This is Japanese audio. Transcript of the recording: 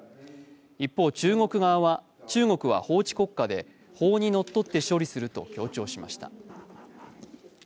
一方、中国側は中国は法治国家で法にのっとって処理すると強調しました。